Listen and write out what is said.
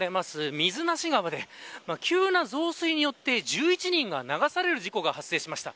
水無川で急な増水によって１１人が流される事故が発生しました。